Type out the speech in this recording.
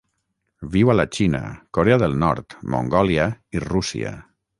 Viu a la Xina, Corea del Nord, Mongòlia i Rússia.